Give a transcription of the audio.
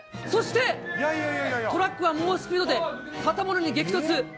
そして、トラックは猛スピードで建物に激突。